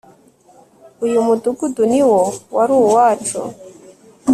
uyu mudugudu niwo wari uwacu